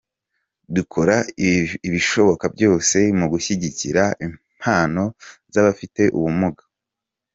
Dukora ibishoboka byose mu gushyigikira impano z’abafite ubumuga.